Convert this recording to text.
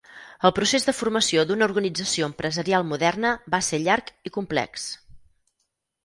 El procés de formació d'una organització empresarial moderna va ser llarg i complex.